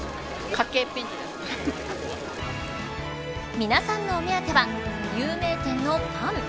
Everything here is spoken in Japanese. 皆さんのお目当ては有名店のパン。